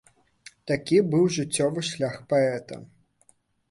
Такі быў жыццёвы шлях паэта.